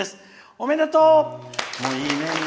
おめでとう！